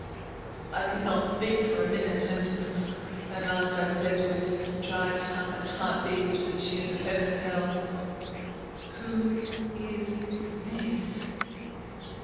I could not speak for a minute. At last I said, with dry tongue, and heart beating to the tune of heaven and hell— "'Who is this?'